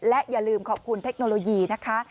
และอย่าลืมขอบคุณเทคโนโลยีนะคะ